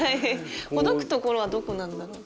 ほどくところはどこなんだろうか？